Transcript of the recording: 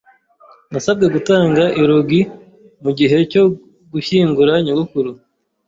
Nasabwe gutanga eulogy mu gihe cyo gushyingura nyogokuru.